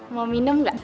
mau minum gak